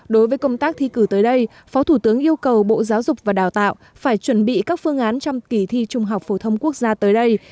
đối với công tác thi cử tới đây phó thủ tướng yêu cầu bộ giáo dục và đào tạo phải chuẩn bị các phương án trong kỳ thi trung học phổ thông quốc gia tới đây